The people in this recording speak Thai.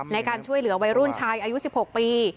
ในการช่วยเหลือวัยรุ่นชายอายุ๑๖ปี